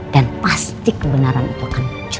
dan pasti kebenaran itu akan muncul